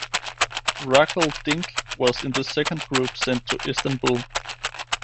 Rakel Dink was in the second group sent to Istanbul.